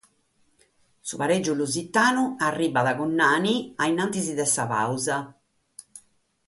Su parègiu lusitanu arribat cun Nani in antis de sa pàusa.